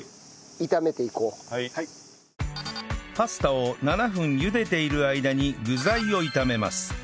パスタを７分茹でている間に具材を炒めます